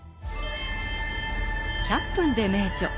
「１００分ｄｅ名著」